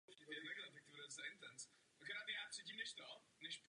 Byla nasazena v první světové válce a například se účastnila bitvy u Jutska.